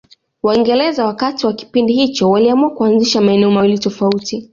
Waingereza wakati wa kipindi hicho waliamua kuanzisha maeneo mawili tofauti